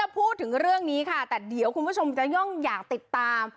พูดถึงเรื่องนี้ค่ะแต่เดี๋ยวคุณผู้ชมจะย่องอยากติดตาม